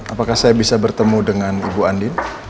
apakah saya bisa bertemu dengan ibu andin